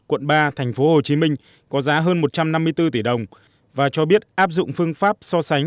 quận ba tp hcm có giá hơn một trăm năm mươi bốn tỷ đồng và cho biết áp dụng phương pháp so sánh